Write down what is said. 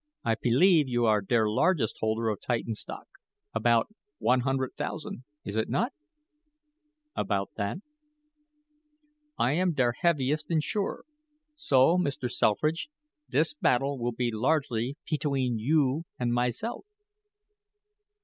I pelieve you are der largest holder of Titan stock about one hundred thousand, is it not?" "About that." "I am der heaviest insurer; so Mr. Selfridge, this battle will be largely petween you and myself."